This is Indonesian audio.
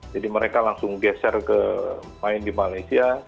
jadi mereka langsung geser ke main di malaysia